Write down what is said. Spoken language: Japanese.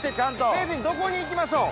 名人どこに行きましょう？